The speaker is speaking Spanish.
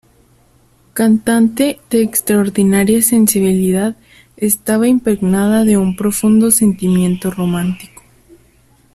Cantante de extraordinaria sensibilidad, estaba impregnada de un profundo sentimiento romántico.